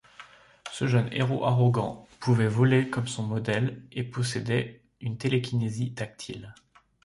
Ce jeune héros arrogant pouvait voler comme son modèle, et possédait une télékinésie tactile.